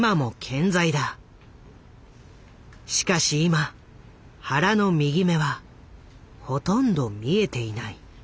しかし今原の右目はほとんど見えていない。